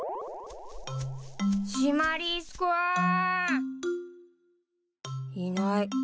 シマリスくん。いない。